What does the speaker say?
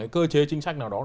cơ chế chính sách nào đó